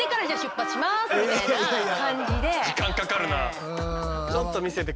時間かかるな。